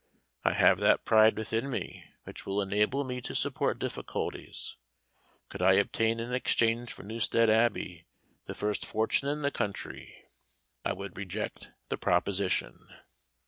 I have that pride within me which will enable me to support difficulties: could I obtain in exchange for Newstead Abbey, the first fortune in the country, I would reject the proposition."